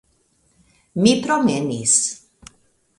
Mi promenis.